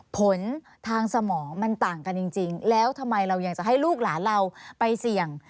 ผลทางสมองมันต่างกันจริงแล้วทำไมเรายังจะให้ลูกหลานเราไปเสี่ยง